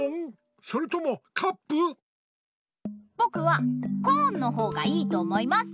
ぼくはコーンのほうがいいと思います。